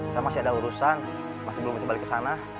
saya masih ada urusan masih belum bisa balik ke sana